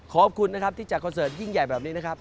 ขอบคุณนะครับที่จัดคอนเสิร์ตยิ่งใหญ่แบบนี้นะครับ